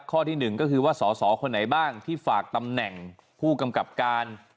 ข้อที่๑ก็คือว่าสอสอคนไหนบ้างที่ฝากตำแหน่งผู้กำกับการ